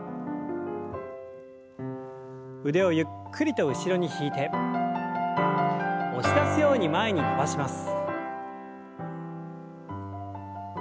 腕をゆっくりと後ろに引いて押し出すように前に伸ばします。